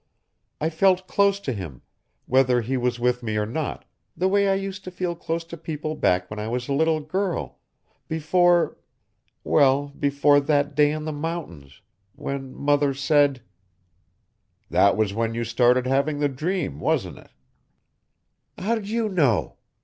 "I felt close to him, whether he was with me or not, the way I used to feel close to people back when I was a little girl, before ... well, before that day in the mountains ... when Mother said...." "That was when you started having the dream, wasn't it?" "How'd you know?